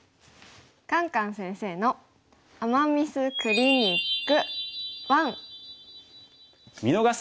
「カンカン先生の“アマ・ミス”クリニック１」。